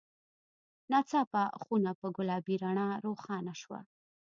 ناڅاپه خونه په ګلابي رڼا روښانه شوه.